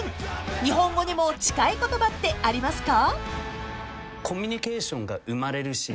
［日本語にも近い言葉ってありますか？］